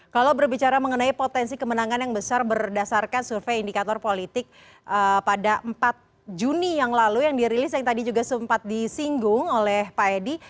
kalau berbicara mengenai potensi kemenangan yang besar berdasarkan survei indikator politik pada empat juni yang lalu yang dirilis yang tadi juga sempat disinggung oleh pak edi